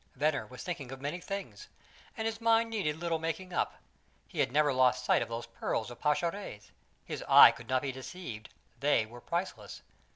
Venner was thinking of many things, and his mind needed little making up. He had never lost sight of those pearls of Pascherette's; his eye could not be deceived; they were priceless.